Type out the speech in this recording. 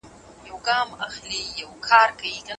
د مهارت لرونکو کارمندانو ضرورت شتون لري.